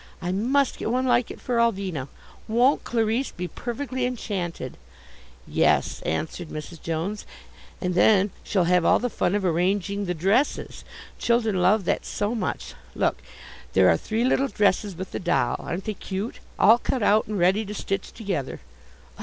I must get one like it for Ulvina. Won't Clarisse be perfectly enchanted?" "Yes," answered Mrs. Jones, "and then she'll have all the fun of arranging the dresses. Children love that so much. Look, there are three little dresses with the doll, aren't they cute? All cut out and ready to stitch together."